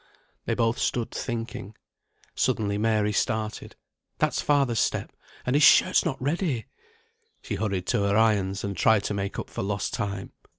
They both stood thinking. Suddenly Mary started. "That's father's step. And his shirt's not ready!" She hurried to her irons, and tried to make up for lost time.